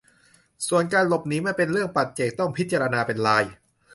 ส่วนการหลบหนีมันเป็นเรื่องปัจเจกต้องพิจารณาเป็นราย